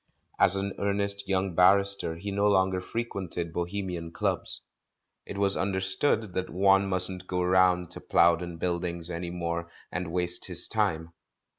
As an earnest young barrister he no longer frequented bohemian clubs. It was under stood that one mustn't go round to Plowden Buildings any more and waste his time.